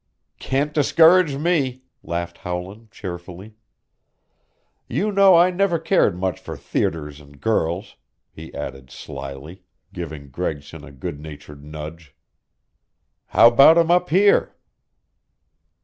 "Can't discourage me!" laughed Howland cheerfully. "You know I never cared much for theaters and girls," he added slyly, giving Gregson a good natured nudge. "How about 'em up here?"